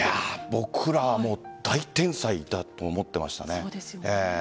僕らは大天才だと思っていましたね。